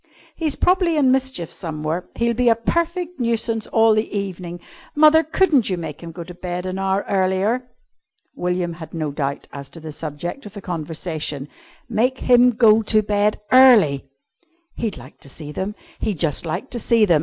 "He's probably in mischief somewhere. He'll be a perfect nuisance all the evening. Mother, couldn't you make him go to bed an hour earlier?" William had no doubt as to the subject of the conversation. Make him go to bed early! He'd like to see them! He'd just like to see them!